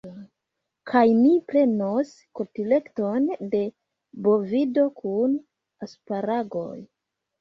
Kaj mi prenos kotleton de bovido kun asparagoj.